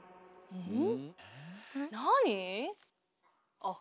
うん。